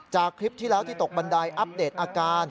คลิปที่แล้วที่ตกบันไดอัปเดตอาการ